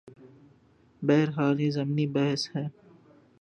بہرحال یہ ضمنی بحث ہے۔